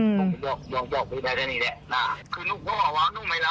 หยอกไม่ได้แค่นี้แหละ